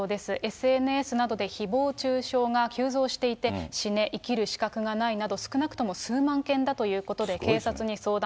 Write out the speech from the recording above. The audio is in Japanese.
ＳＮＳなどでひぼう中傷が急増していて、死ね、生きる資格がないなど、少なくとも数万件だということで、警察に相談。